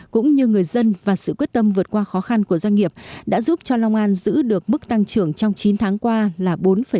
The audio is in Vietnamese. cũng như người dân và sự quyết tâm vượt qua khó khăn của doanh nghiệp đã giúp cho long an giữ được mức tăng trưởng trong chín tháng qua là bốn năm